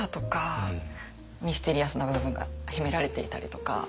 ミステリアスな部分が秘められていたりとか。